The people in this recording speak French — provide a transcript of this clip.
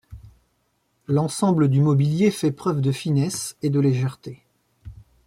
L'ensemble du mobilier fait preuve de finesse et de légèreté.